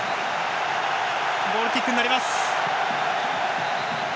ゴールキックになります。